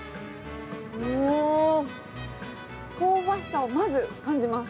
ああ、香ばしさをまず感じます。